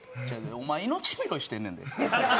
お前命拾いしてんねんで？